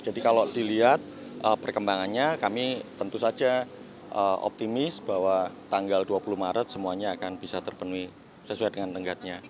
jadi kalau dilihat perkembangannya kami tentu saja optimis bahwa tanggal dua puluh maret semuanya akan bisa terpenuhi sesuai dengan tengkatnya